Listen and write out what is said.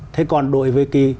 thế còn đối với